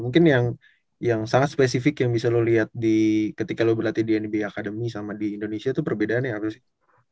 mungkin yang sangat spesifik yang bisa lu lihat ketika lu berlatih di nb academy sama di indonesia tuh perbedaannya apa sih